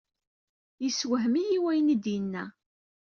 Yessewhem-iyi wayen i d-yenna.